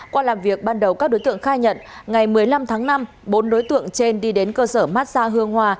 qua làm việc ban đầu các đối tượng khai nhận ngày một mươi năm tháng năm bốn đối tượng trên đi đến cơ sở massage hương hòa